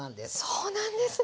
そうなんですね。